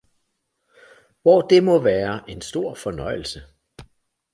Hvor det må være en stor fornøjelse